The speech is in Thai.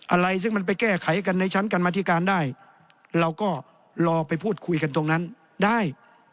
อะไรซึ่งมันไปแก้ไขกันในชั้นกรรมธิการได้เราก็รอไปพูดคุยกันตรงนั้นได้